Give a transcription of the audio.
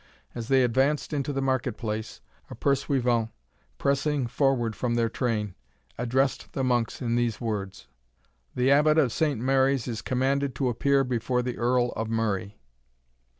As they advanced into the market place, a pursuivant, pressing forward from their train, addressed the monks in these words: "The Abbot of Saint Mary's is commanded to appear before the Earl of Murray."